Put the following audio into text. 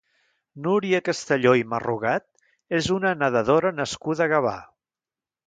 Núria Castelló i Marrugat és una nedadora nascuda a Gavà.